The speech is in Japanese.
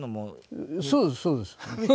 そうですそうです。